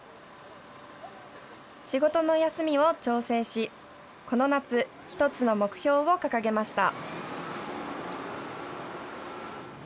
仕事の休みを調整し、この夏、１つの目標を掲げました。